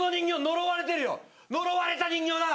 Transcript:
呪われた人形だ！